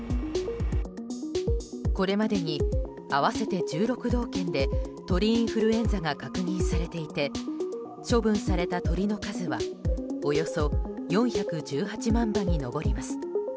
これまでに合わせて１６道県で鳥インフルエンザが確認されていて処分された鶏の数はおよそ４１８万羽に上ります。